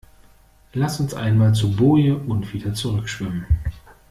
Lass uns einmal zur Boje und wieder zurück schwimmen.